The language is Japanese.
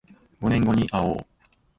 五年後にあおう